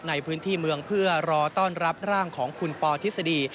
ในพื้นที่เมืองเพื่อรอต้อนรับร่างของคุณปอทฤษฎี